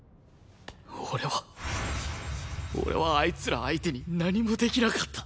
俺は俺はあいつら相手に何もできなかった。